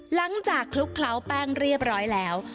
หลังจากคลุกเคล้าแป้งเรียบร้อยแล้ว